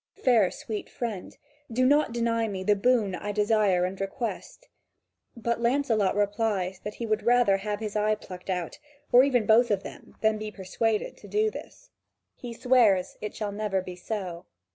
Fair, sweet friend, do not deny me the boon I desire and request." But Lancelot replies that he would rather have his eye plucked out, or even both of them, than be persuaded to do this: he swears it shall never be so.